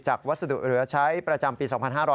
วัสดุเหลือใช้ประจำปี๒๕๕๙